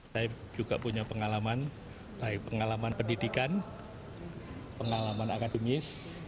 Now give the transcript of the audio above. saya juga punya pengalaman baik pengalaman pendidikan pengalaman akademis